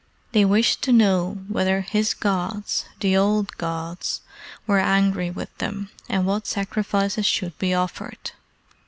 They wished to know whether his Gods the Old Gods were angry with them and what sacrifices should be offered.